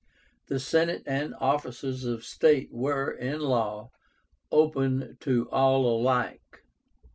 The Senate and offices of state were, in law, open to all alike.